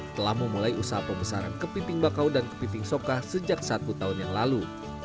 telah memulai usaha pembesaran kepiting bakau dan kepiting soka sejak satu tahun yang lalu